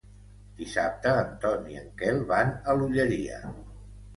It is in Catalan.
Dissabte en Ton i en Quel van a l'Olleria.